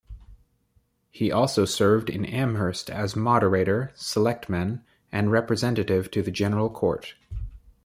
He also served in Amherst as moderator, selectman, and representative to the General Court.